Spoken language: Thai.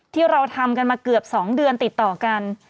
ที่เราทำกันมาเกือบ๒เดือนติดต่อกัน